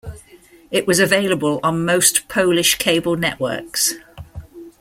It was available on most Polish cable networks.